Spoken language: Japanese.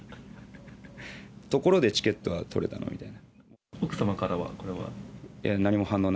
ところでチケットはとれたの？みたいな。